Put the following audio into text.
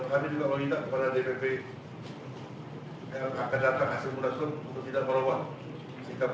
kami juga meminta kepada dpp yang akan datang hasil munaslup untuk tidak merubah sikap